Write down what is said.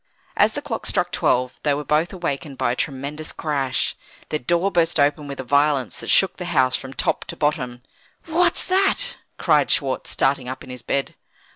As the clock struck twelve, they were both awakened by a tremendous crash. Their door burst open with a violence that shook the house from top to bottom. "What's that?" cried Schwartz, starting up in his bed.